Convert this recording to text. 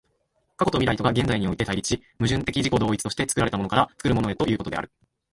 過去と未来とが現在において対立し、矛盾的自己同一として作られたものから作るものへということである。